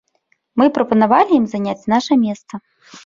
Мы прапанавалі ім заняць наша месца.